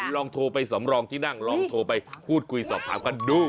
ลองโทรไปสำรองที่นั่งลองโทรไปพูดคุยสอบถามกันดู